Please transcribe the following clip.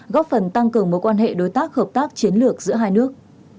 góp phần tăng cường mối quan hệ đối tác hợp tác chiến lược giữa hai nước